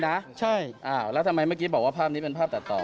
ใช่แล้วทำไมเมื่อกี้บอกว่าภาพนี้เป็นภาพตัดต่อ